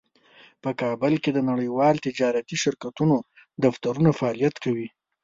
په کابل کې د نړیوالو تجارتي شرکتونو دفترونه فعالیت کوي